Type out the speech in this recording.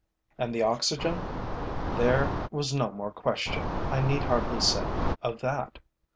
And the oxygen? There was no more question, I need hardly say, of that.